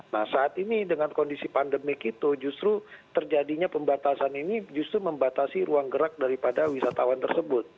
nah saat ini dengan kondisi pandemik itu justru terjadinya pembatasan ini justru membatasi ruang gerak daripada wisatawan tersebut